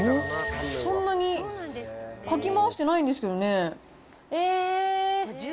そんなにかき回してないんですけどね。